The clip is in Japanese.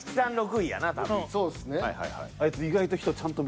そうっすね。